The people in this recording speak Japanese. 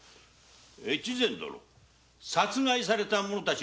越前殿殺害された者たちの身元は？